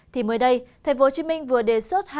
thì mới đây tp hcm vừa đề xuất